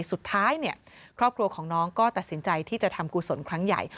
สุดท้ายครอบครัวของน้องก็ตัดสินใจที่จะทำกุศลครั้งใหญ่